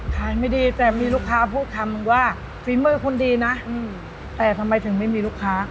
ไม่ดีแต่มีลูกค้าพูดคำนึงว่าฝีมือคุณดีนะแต่ทำไมถึงไม่มีลูกค้า